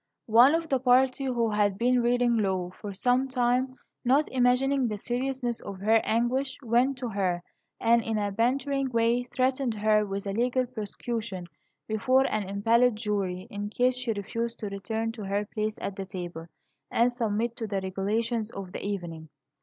One of the party, who had been reading law for some time, not imagining the seriousness of her anguish, went to her, and in a bantering way threatened her with a legal prosecution before an impaneled jury in case she refused to return to her place at the table, and submit to the regulations of the evening.